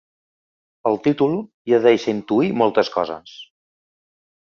El títol ja deixa intuir moltes coses.